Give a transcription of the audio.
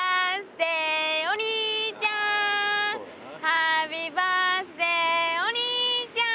「ハッピーバースデーお兄ちゃん」